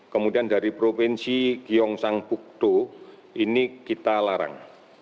kemudian dari provinsi gyeongsangbukdo ini kita larang